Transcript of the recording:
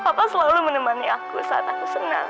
papa selalu menemani aku saat aku senang